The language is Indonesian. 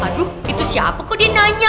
aduh itu siapa kok dia nanya